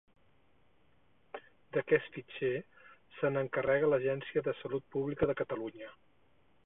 D'aquest fitxer se n'encarrega l'Agència de Salut Pública de Catalunya.